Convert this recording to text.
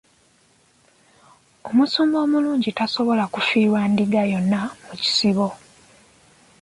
Omusumba omulungi tasobola kufiirwa ndiga yonna mu kisibo.